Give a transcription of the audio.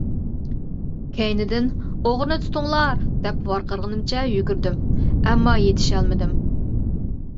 كەينىدىن «ئوغرىنى تۇتۇڭلار! » دەپ ۋارقىرىغىنىمچە يۈگۈردۈم، ئەمما يېتىشەلمىدىم.